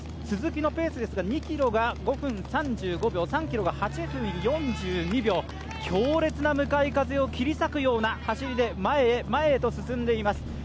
鈴木のペースですが、２ｋｍが５分３８秒３ｋｍが８分４２秒、強烈な向かい風を切り裂くような走りで前へ前へと進んでいます。